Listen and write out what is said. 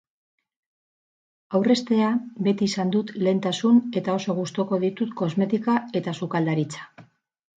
Aurreztea beti izan dut lehentasun eta oso gustuko ditut kosmetika eta sukaldaritza.